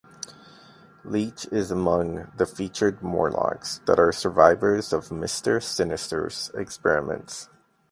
Leech is among the featured Morlocks that are survivors of Mister Sinister's experiments.